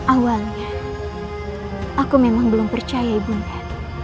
awalnya aku memang belum percaya ibunya